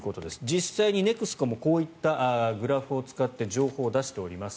実際にネクスコもこういったグラフを使って情報を出しております。